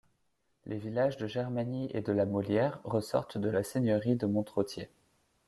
Les villages de Germagny et de la Molière ressortent de la seigneurie de Montrottier.